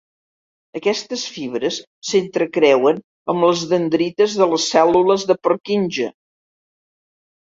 Aquestes fibres s'entrecreuen amb les dendrites de les cèl·lules de Purkinje.